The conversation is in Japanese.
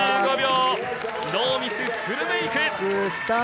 ４５秒ノーミス、フルメイク。